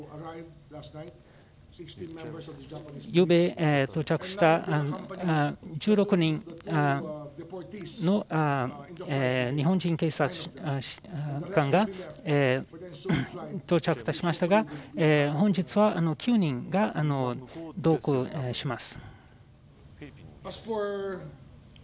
昨夜到着した１６人の日本人警察官が到着いたしましたが本日は９人が同行します。